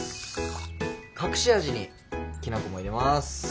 隠し味にきな粉も入れます。